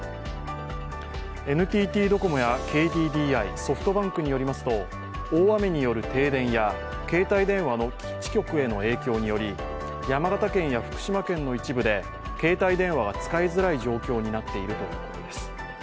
ＮＴＴドコモやＫＤＤＩ、ソフトバンクによりますと大雨による停電や携帯電話の基地局への影響により山形県や福島県の一部で携帯電話が使いづらい状況になっているということです。